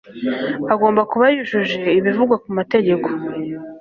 agomba kuba yujuje ibivugwa mu mategeko